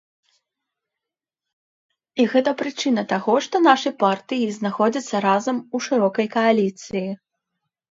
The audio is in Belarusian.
І гэта прычына таго, што нашы партыі знаходзяцца разам у шырокай кааліцыі.